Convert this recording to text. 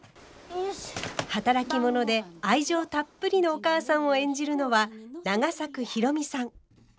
働き者で愛情たっぷりのお母さんを演じるのは永作博美さん。